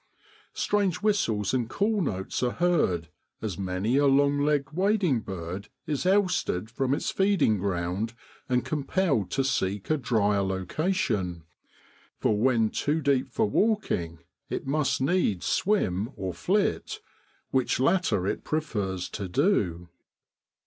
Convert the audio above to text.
Strange whistles and call notes are heard as many a long legged wading bird is ousted from its feeding ground and compelled to seek a drier location, for when too deep for walking it must needs swim or flit which latter it prefers to do.